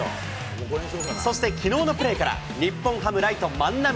そしてきのうのプレーから、日本ハム、ライト、万波。